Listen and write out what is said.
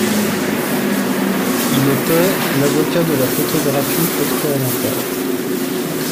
Il était l'avocat de la photographie expérimentale.